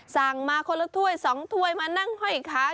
สั่งมาคนละถ้วย๒ถ้วยมานั่งห้อยขา